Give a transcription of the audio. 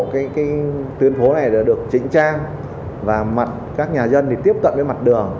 cái tuyến phố này đã được chỉnh trang và các nhà dân tiếp cận với mặt đường